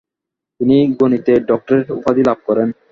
তিনি গণিতে ডক্টরেট উপাধি লাভ করেন।